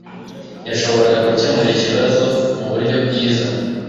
yashoboraga gukemura ikibazo muburyo bwiza